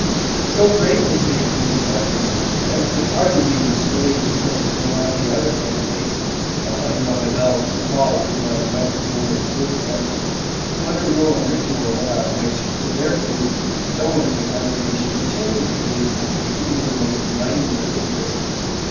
So great was the enthusiasm, that it could hardly be restrained so as to allow the other candidates, the humdrum adults who followed in my wet and glorious footsteps, to undergo a ritual about which, in their case, no one in the congregation pretended to be able to take even the most languid interest.